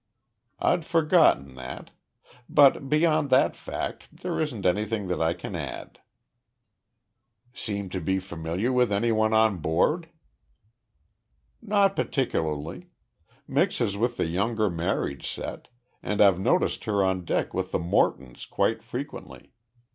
I'd forgotten that. But, beyond that fact, there isn't anything that I can add." "Seem to be familiar with anyone on board?" "Not particularly. Mixes with the younger married set and I've noticed her on deck with the Mortons quite frequently.